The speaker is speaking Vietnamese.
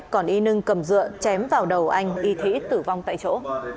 còn y nương cầm dựa chém vào đầu anh y thĩ tử vong tại chỗ